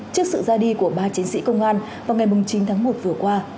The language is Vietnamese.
trước sự ra đi của ba chiến sĩ công an vào ngày chín tháng một vừa qua